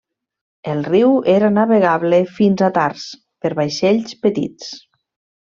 El riu era navegable fins a Tars per vaixells petits.